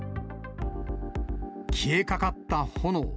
消えかかった炎。